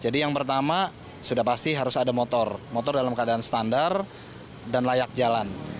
jadi yang pertama sudah pasti harus ada motor motor dalam keadaan standar dan layak jalan